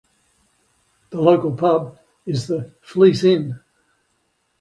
The local pub is the "Fleece Inn".